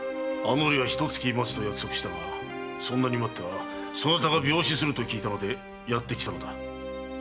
あの折はひと月待つと約束したがそんなに待ってはそなたが病死すると聞いたのでやってきたのだ。